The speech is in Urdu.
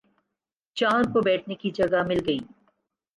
چار کو بیٹھنے کی جگہ مل گئی